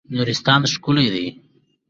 نورستان ښکلی دی.